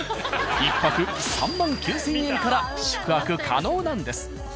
１泊３９，０００円から宿泊可能なんです。